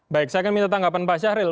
baik saya akan minta tanggapan pak syahril